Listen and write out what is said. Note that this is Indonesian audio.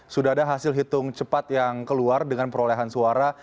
sudah ada hasil hitung cepat yang keluar dengan perolehan suara